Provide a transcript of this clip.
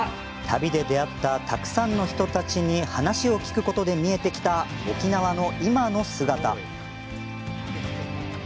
旅で出会ったたくさんの人たちに話を聞くことで見えてきた沖縄の今の姿。